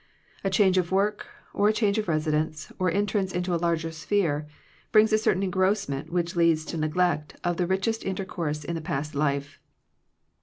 . A change of work, or a change of residence, or entrance into a larger sphere, brings a certain engrossment which leads to neg lect of the richest intercourse in the past life.